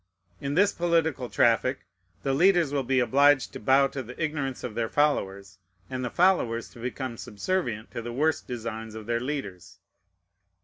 In this political traffic, the leaders will be obliged to bow to the ignorance of their followers, and the followers to become subservient to the worst designs of their leaders.